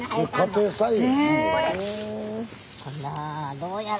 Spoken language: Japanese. どうやろ？